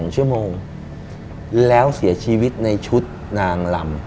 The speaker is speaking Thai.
๒ชั่วโมงแล้วเสียชีวิตในชุดนางลำ